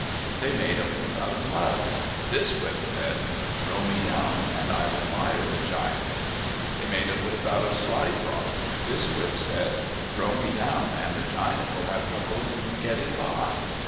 They made a whip out of mud. This whip said, " Throw me down and I will mire the giant." They made a whip out of slide rock. This whip said, " Throw me down and the giant will have trouble in getting by."